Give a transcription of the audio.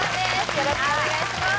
よろしくお願いします